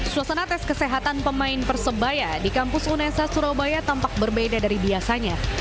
suasana tes kesehatan pemain persebaya di kampus unesa surabaya tampak berbeda dari biasanya